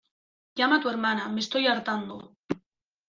¡ llama a tu hermana, me estoy hartando!